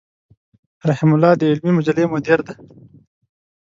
رحيم الله د علمي مجلې مدير دی.